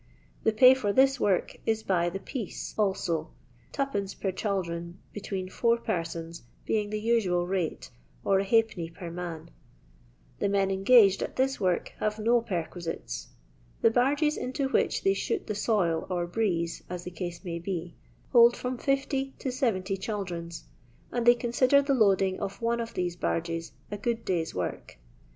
The pay for this work is by the " piece " also, 2d, per chaldron between four persons being the usual rate, or ^d, per man. The men so engaged have no perquisites. The barges into which they shoot the soil or *'briese," as the case may be, hold firom 60 to 70 chaldrons, and they consider the loading of one of these barges a good day's work.